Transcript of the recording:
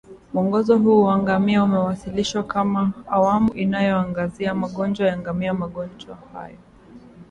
Mwongozo huu wa ngamia umewasilishwa kama Awamu inayoangazia magonjwa ya ngamia Magonjwa hayo